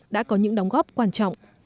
đã có những đóng góp quan trọng